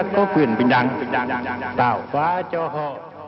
có quyền bình đẳng bảo hóa cho họ